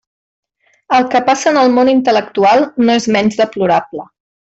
El que passa en el món intel·lectual no és menys deplorable.